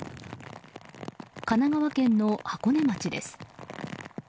神奈川県の箱根町です。